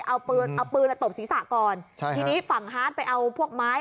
เอาปืนเอาปืนตบศีรษะก่อนใช่ทีนี้ฝั่งฮาร์ดไปเอาพวกไม้